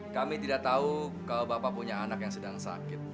kami tidak tahu kalau bapak punya anak yang sedang sakit